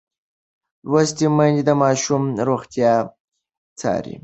لوستې میندې د ماشوم روغتیا څاري.